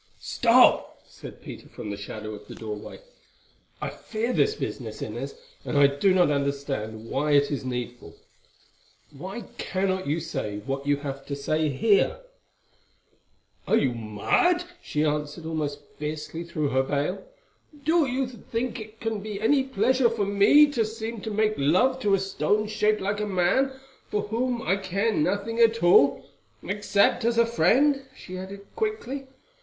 "Stop," said Peter from the shadow of the doorway, "I fear this business, Inez, and I do not understand why it is needful. Why cannot you say what you have to say here?" "Are you mad?" she answered almost fiercely through her veil. "Do you think that it can be any pleasure for me to seem to make love to a stone shaped like a man, for whom I care nothing at all—except as a friend?" she added quickly.